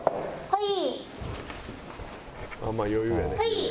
はい。